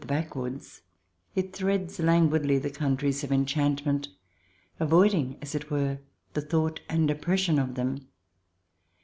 i woods; it threads languidly the countries of enchant ment, avoiding, as it were, the thought and oppres sion of them.